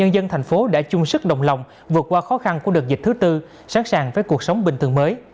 dân thành phố đã chung sức đồng lòng vượt qua khó khăn của đợt dịch thứ tư sẵn sàng với cuộc sống bình thường mới